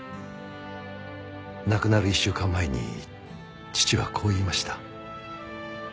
亡くなる１週間前に父はこう言いました。